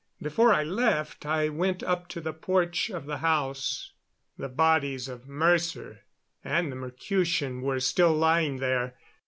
Before I left I went up to the porch of the house. The bodies of Mercer and the Mercutian were still lying there.